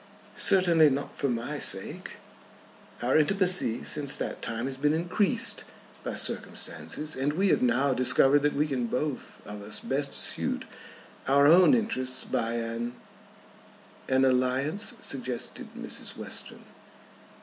"Certainly not for my sake." "Our intimacy since that time has been increased by circumstances, and we have now discovered that we can both of us best suit our own interests by an " "An alliance," suggested Mrs. Western.